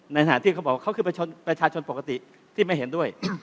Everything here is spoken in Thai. ในฐานะที่เขาบอกเขาคือประชาชนปกติที่ไม่เห็นด้วย